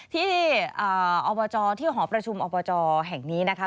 ที่อบจที่หอประชุมอบจแห่งนี้นะคะ